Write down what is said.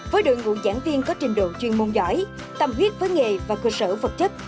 với đội ngũ giảng viên có trình độ chuyên môn giỏi tâm huyết với nghề và cơ sở vật chất